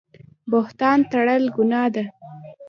بهتان تړل ګناه ده